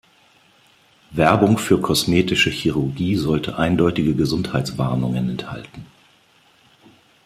Werbung für kosmetische Chirurgie sollte eindeutige Gesundheitswarnungen enthalten.